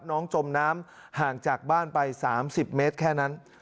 จมน้ำห่างจากบ้านไป๓๐เมตรแค่นั้น